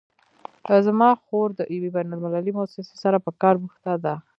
زما خور د یوې بین المللي مؤسسې سره په کار بوخته ده